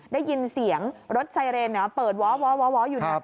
ได้ยินเสียงรถไซเรนเปิดว้าวอยู่